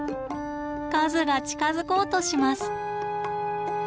和が近づこうとします。